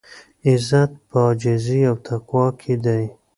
عزت په عاجزۍ او تقوا کې دی.